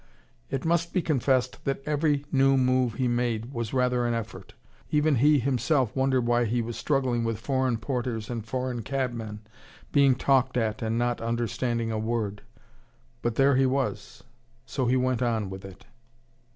It must be confessed that every new move he made was rather an effort. Even he himself wondered why he was struggling with foreign porters and foreign cabmen, being talked at and not understanding a word. But there he was. So he went on with it.